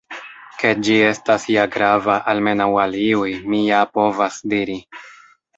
Ke ĝi estas ja grava almenaŭ al iuj, mi ja povas diri.